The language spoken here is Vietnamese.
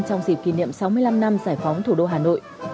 trong dịp kỷ niệm sáu mươi năm năm giải phóng thủ đô hà nội